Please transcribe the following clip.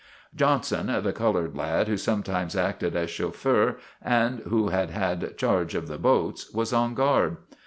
Johnson, the colored lad who sometimes acted as chauffeur and who had had charge of the boats, was on guard.